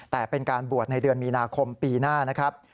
แต่เป็นการบวชในเดือนมีนาคมปีหน้านะครับ